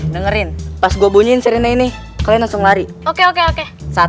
dengerin pas gue bunyiin seri ini kalian langsung lari oke oke oke satu ratus dua puluh tiga